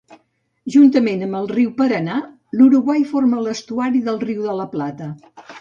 Juntament amb el Riu Paranà, l'Uruguai forma l'estuari del Riu de la Plata.